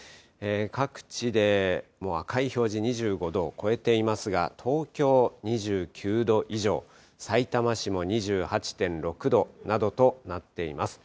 各地でもう赤い表示、２５度を超えていますが、東京２９度以上、さいたま市も２８．６度などとなっています。